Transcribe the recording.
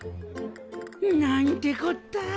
なんてこった。